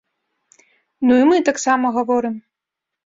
Ну і мы таксама гаворым.